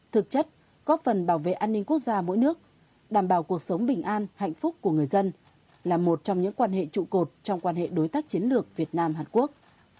thực chất góp phần bảo vệ an ninh quốc gia mỗi nước đảm bảo cuộc sống bình an hạnh phúc của người dân là một trong những quan hệ trụ cột trong quan hệ đối tác chiến lược việt nam hàn quốc